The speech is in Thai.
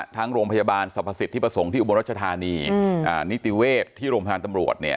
โรงพยาบาลสรรพสิทธิประสงค์ที่อุบลรัชธานีนิติเวศที่โรงพยาบาลตำรวจ